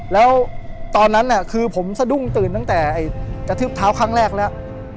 แล้วตอนนั้นคือผมสะดุ้งตื่นตั้งแต่กระทืบเท้าครั้งแรกแล้ว